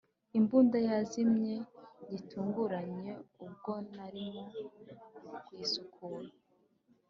] imbunda yazimye gitunguranye ubwo narimo kuyisukura.